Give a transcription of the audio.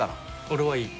俺はいい。